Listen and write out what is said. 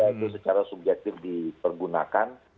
itu secara subjektif dipergunakan